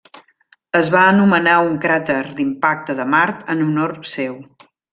Es va anomenar un cràter d'impacte de Mart en honor seu.